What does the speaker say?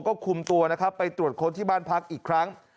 ก็คุมตัวไปตรวจคนที่บ้านพักอีกครั้ง